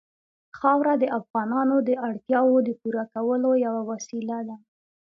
خاوره د افغانانو د اړتیاوو د پوره کولو یوه وسیله ده.